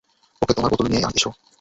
ওকে, তোমার বোতল নিয়ে এসো।